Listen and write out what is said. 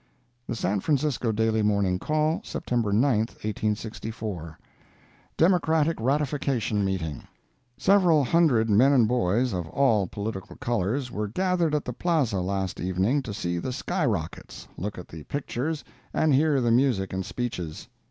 The San Francisco Daily Morning Call, September 9, 1864 DEMOCRATIC RATIFICATION MEETING Several hundred men and boys of all political colors, were gathered at the Plaza last evening to see the sky rockets, look at the pictures and hear the music and speeches.